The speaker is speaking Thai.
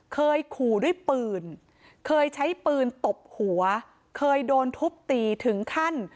เคยขู่ด้วยปืนเคยใช้ปืนตบหัวเคยโดนทุบตีถึงขั้น